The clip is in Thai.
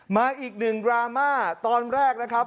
มาอีกหนึ่งดราม่าตอนแรกนะครับ